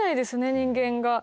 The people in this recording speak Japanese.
人間が。